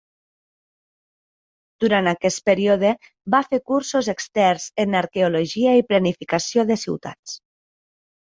Durant aquest període, va fer cursos externs en Arqueologia i Planificació de ciutats.